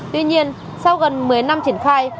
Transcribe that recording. tuy nhiên sau gần một mươi năm triển khai